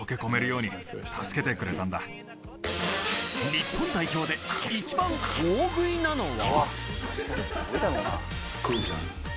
日本代表でイチバン大食いなのは？